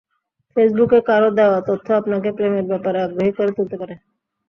ফেসবুকে কারও দেওয়া তথ্য আপনাকে প্রেমের ব্যাপারে আগ্রহী করে তুলতে পারে।